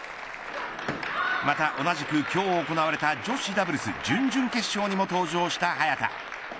また同じく今日行われた女子ダブルス準々決勝にも登場した早田。